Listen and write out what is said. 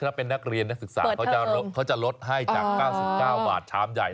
ถ้าเป็นนักเรียนนักศึกษาเขาจะลดให้จาก๙๙บาทชามใหญ่